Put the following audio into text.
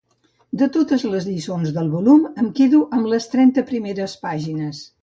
De totes les lliçons del volum em quedo amb les trenta primeres pàgines.